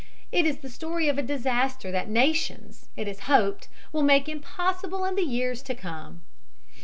It is the story of a disaster that nations, it is hoped, will make impossible in the years to come.